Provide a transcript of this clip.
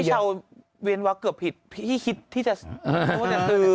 เมื่อกี้พี่เช่าเวียนแค้นเกือบผิดพี่คิดจะซื้อ